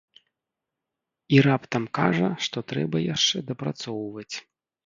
І раптам кажа, што трэба яшчэ дапрацоўваць.